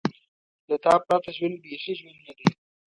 له تا پرته ژوند بېخي ژوند نه دی.